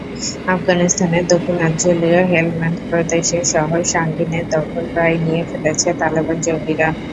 আফগানিস্তানের দক্ষিণাঞ্চলীয় হেলমান্দ প্রদেশের শহর সাঙ্গিনের দখল প্রায় নিয়ে ফেলেছে তালেবান জঙ্গিরা।